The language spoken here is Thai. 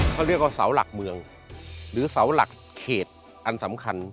เขาเรียกว่าเสาหลักเมืองหรือเสาหลักเขตอันสำคัญ